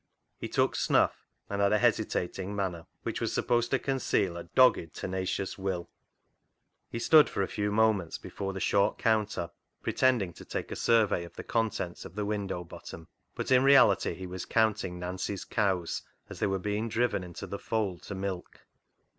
He took snuff, and had a hesitating manner, which was supposed to conceal a dogged, tenacious will. He stood for a few moments before the short counter pretending to take a survey of the contents of the window bottom, but in reality he was counting Nancy's cows as they were being driven into the Fold to milk.